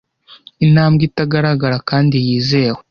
intambwe itagaragara kandi yizewe